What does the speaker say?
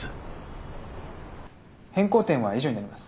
変更点は以上になります。